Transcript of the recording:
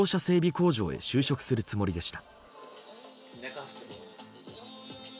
工場へ就職するつもりでした。